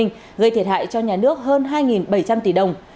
gây thiệt hại cho nhà nước hơn hai bảy trăm linh tỷ đồng